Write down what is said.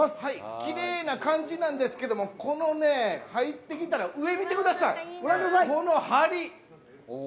きれいな感じなんですけども入ってきたら上見てください。